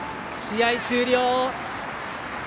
試合終了。